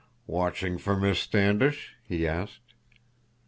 "Watching for Miss Standish?" he asked.